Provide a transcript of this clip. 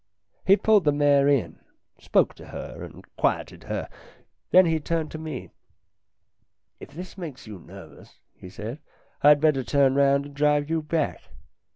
He pulled the mare in, spoke to her and quieted her. Then he turned to me. " If this makes you nervous," he said, " I'd better turn round and drive you back.